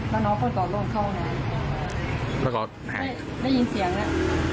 แล้วน้องก็ต่อโรงเข้าไหนแล้วก็หายได้ยินเสียงอ่ะ